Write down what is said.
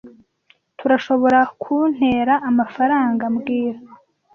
Turashoborakuntera amafaranga mbwira